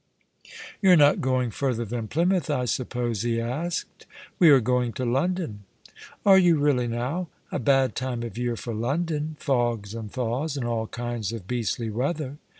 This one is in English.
" You're not going further tha n Plymouth, I suppose ?" he asked. " We are going to London." " Are you really, now ? A bad time of year for London — fogs and thaws, and all kinds of beastly weather."